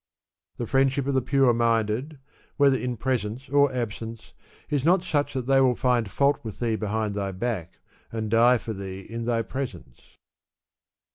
The friendship of the pure minded, whether in pres ence or absence, is not such that they will find fault with thee behind thy back, and die for thee in thy presence.